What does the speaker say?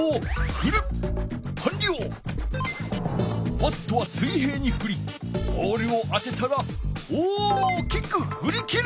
バットは水平にふりボールを当てたら大きくふりきる！